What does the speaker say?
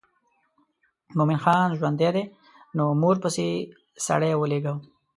مومن خان ژوندی دی نو مور پسې سړی ولېږه.